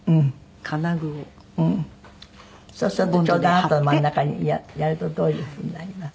そうするとちょうどあなたの真ん中にやるとどういうふうになります？